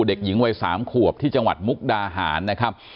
เด็กหญิงวัย๓ขวบที่จังหวัดมุกดาหารนะครับ